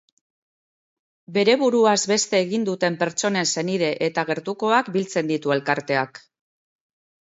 Bere buruaz beste egin duten pertsonen senide eta gertukoak biltzen ditu elkarteak.